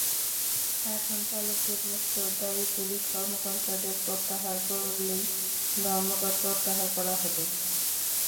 এখন চালককে মুক্ত, দায়ী পুলিশ কর্মকর্তাদের প্রত্যাহার করলেই ধর্মঘট প্রত্যাহার করা হবে।